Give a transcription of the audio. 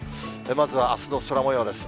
まずは、あすの空もようです。